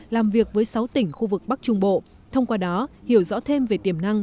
làm việc với sáu tỉnh khu vực bắc trung bộ thông qua đó hiểu rõ thêm về tiềm năng